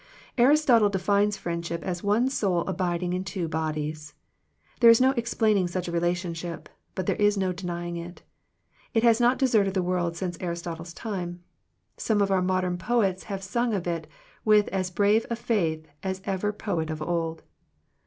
Aristotle defines friendship as one soul abiding in two bodies. There is no ex plaining such a relationship, but there is no denying it. It has not deserted the world since Aristotle's time. Some of our modern poets have sung of it with as brave a faith as ever poet of old.